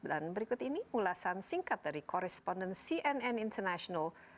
dan berikut ini ulasan singkat dari korresponden cnn international